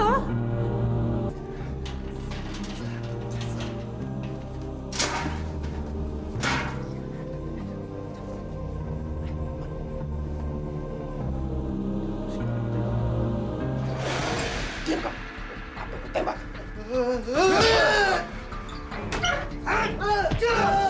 apa yang kamu tembak